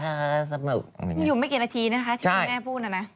อยู่ไม่กี่นาทีนะคะที่คุณแม่พูดนะนะ